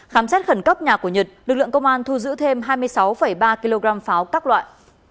khám xét khẩn cấp nhà của nhật lực lượng công an thu giữ thêm hai mươi sáu ba kg pháo các loại